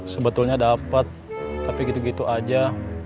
sebetulnya dapat tapi gitu gitu aja